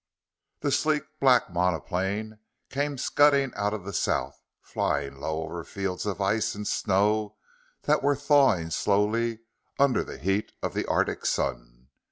] The sleek black monoplane came scudding out of the south, flying low over fields of ice and snow that were thawing slowly under the heat of the arctic sun.